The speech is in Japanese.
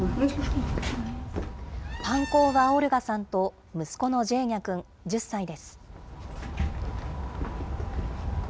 パンコーヴァ・オルガさんと息子のジェーニャ君１０歳です。